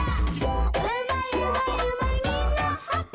「うまいうまいうまいみんなハッピー」